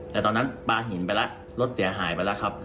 แต่ตอนนั้นปลาหินไปแล้วรถเสียหายไปแล้วครับ